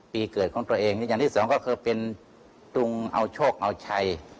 เกิดของตัวเองนี่อย่างที่สองก็คือเป็นตุงเอาโชคเอาชัย